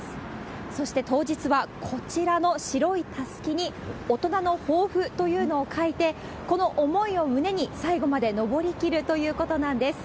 そして当日は、こちらの白いたすきに、大人の抱負というのを書いて、この思いを胸に、最後まで上りきるということなんです。